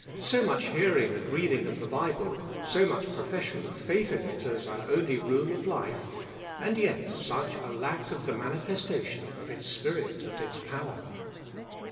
So 'much hearing and reading of the Bible, so much profession of faith in it as our only rule of life, and yet such a lack of the manifestation of its spirit and its power?